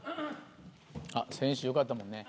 先週よかったもんね。